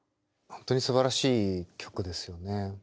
本当にすばらしい曲ですよね。